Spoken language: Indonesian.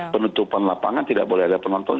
penutupan lapangan tidak boleh ada penonton